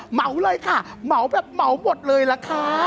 เหมาเลยค่ะเหมาแบบเหมาหมดเลยล่ะค่ะ